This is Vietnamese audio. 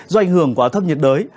do ảnh hưởng của át thấp nhiệt đới